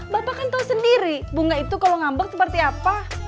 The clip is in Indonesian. bapak kan tahu sendiri bunga itu kalau ngambak seperti apa